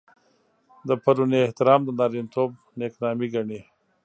د پړوني احترام د نارينه توب نېکنامي ګڼي.